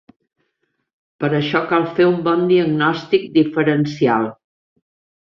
Per això cal fer un bon diagnòstic diferencial.